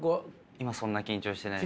今そんな緊張してないです。